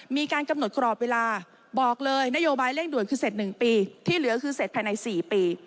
มีการกำหนดกรอบเวลาบอกเลยนโยบายเร่งด่วนคือเสร็จ๑ปีที่เหลือคือเสร็จภายใน๔ปี